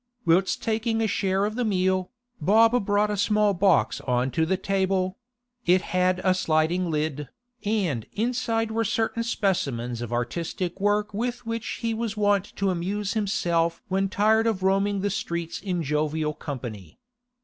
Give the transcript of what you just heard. Whilst taking a share of the meal, Bob brought a small box on to the table; it had a sliding lid, and inside were certain specimens of artistic work with which he was wont to amuse himself when tired of roaming the streets in jovial company.